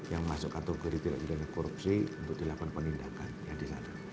yang masuk kategori tidak didana korupsi untuk dilakukan penindakan